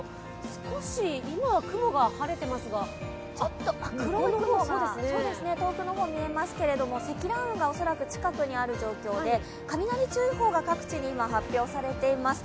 少し今は雲が晴れてますが、ちょっと黒い雲、遠くの方、見えますけど積乱雲が近くにある状況で雷注意報が各地に今、発表されています。